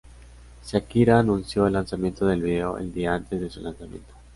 Shakira anunció el lanzamiento del video el día antes de su lanzamiento.